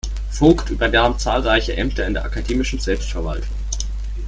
Vogt übernahm zahlreiche Ämter in der akademischen Selbstverwaltung.